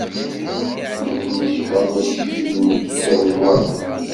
Nutni cban aclim yettawi waḍu.